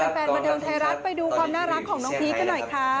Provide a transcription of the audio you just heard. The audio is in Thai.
ถ้าใครเป็นแฟนมาเที่ยงไทยรัฐไปดูความน่ารักของน้องพีคก็หน่อยค่ะ